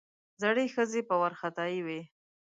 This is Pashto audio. زړې ښځې په وارخطايي وې.